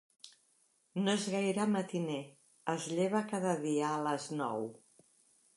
No és gaire matiner: es lleva cada dia a les nou.